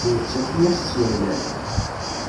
D nettat i as-tt-imlan.